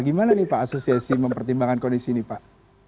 gimana nih pak asosiasi mempertimbangkan kondisi ini pak